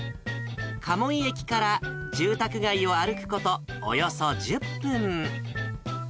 鴨居駅から住宅街を歩くことおよそ１０分。